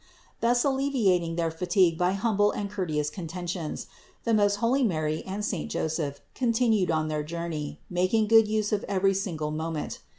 202. Thus alleviating their fatigue by humble and courteous contentions, the most holy Mary and saint Joseph continued on their journey, making good use of each single moment.